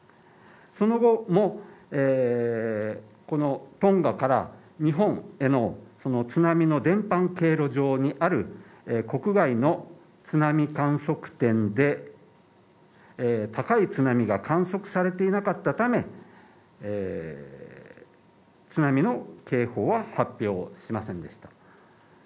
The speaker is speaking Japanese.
その後もこのトンガから、日本への津波の伝播経路上にある国外の津波観測点で高い津波が観測されていなかったため、津波の警報は発表しませんでした。